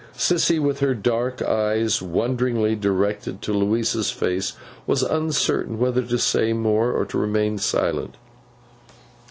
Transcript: Sissy, with her dark eyes wonderingly directed to Louisa's face, was uncertain whether to say more or to remain silent.